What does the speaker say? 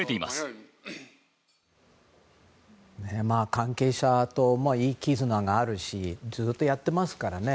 関係者といい絆があるしずっとやってますからね。